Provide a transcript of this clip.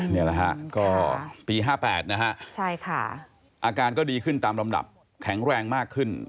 นี่แหละฮะก็ปี๕๘นะฮะใช่ค่ะอาการก็ดีขึ้นตามลำดับแข็งแรงมากขึ้น